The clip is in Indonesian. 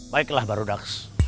baiklah baru dax